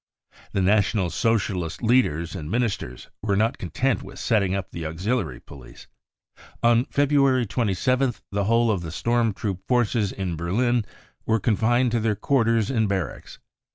The National Socialist leaders and Ministers were not content with setting up the auxiliary police. On February 27th the whole of the storm troop forces in Berlin were confined to their quarters and barracks.